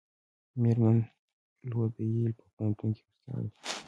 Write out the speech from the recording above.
میرمن لو د ییل په پوهنتون کې استاده ده.